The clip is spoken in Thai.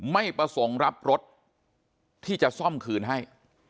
ไม่ประสงค์รับรถที่จะซ่อมคืนให้